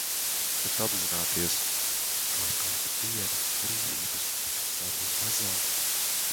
Bet apzināties, ka ar katru dienu brīvības būs arvien mazāk.